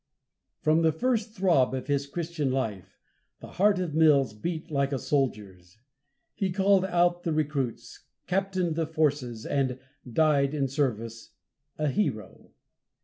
From the first throb of his Christian life, the heart of Mills beat like a soldier's. He called out the recruits, captained the forces, and died in service a hero!